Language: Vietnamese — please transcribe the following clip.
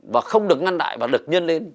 và không được ngăn đại và được nhân lên